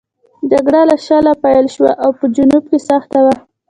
جګړه له شله پیل شوه او په جنوب کې سخته وه.